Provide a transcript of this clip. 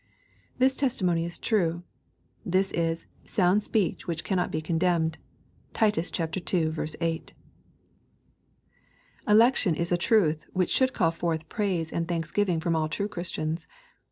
This testi mony is true. This is " sound speech which cannot be condemned." (Titus ii. 8.) Election is a truth which should call forth praise and thanksgiving from all true Christians.